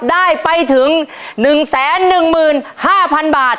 ได้ไปถึง๑แสน๑หมื่น๕พันบาท